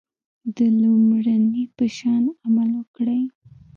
د لومړني په شان عمل وکړئ.